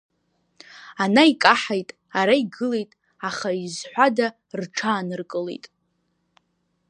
Ана икаҳаит, ара игылеит, аха изҳәада рҽааныркылеит…